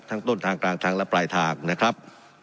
ทั้งต้นทางกลางทางและสู่ในทางนะครับ